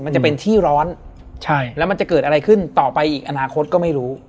มันจะเป็นที่ร้อนใช่แล้วมันจะเกิดอะไรขึ้นต่อไปอีกอนาคตก็ไม่รู้